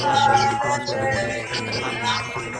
په پلي تګ کي د چا وخت نه بایلل کېږي.